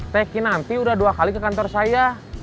teh kinanti udah dua kali ke kantor saya